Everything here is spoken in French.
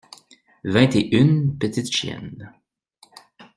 Vingt et une petites chiennes.